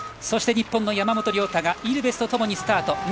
そして日本の山本涼太がイルベスと共にスタート。